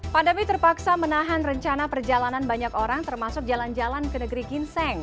pandemi terpaksa menahan rencana perjalanan banyak orang termasuk jalan jalan ke negeri ginseng